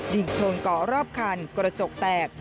ดินโครนเกาะรอบคันกระจกแตก